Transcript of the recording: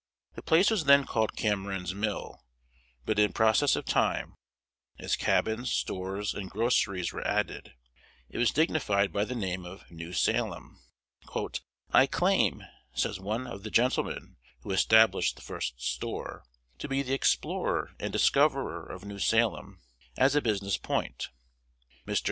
The place was then called Cameron's Mill; but in process of time, as cabins, stores, and groceries were added, it was dignified by the name of New Salem. "I claim," says one of the gentlemen who established the first store, "to be the explorer and discoverer of New Salem as a business point. Mr.